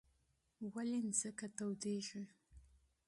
ولې ځمکه تودېږي؟